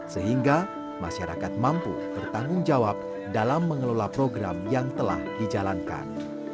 sehingga masyarakat mampu bertanggung jawab dalam mengelola program yang telah dijalankan